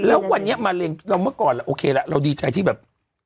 แล้ววันนี้มะเร็งเราเมื่อก่อนโอเคละเราดีใจที่แบบ